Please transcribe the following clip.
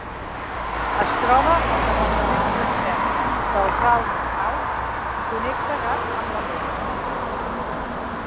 Es troba al departament francès dels Alts Alps, i connecta Gap amb La Mure.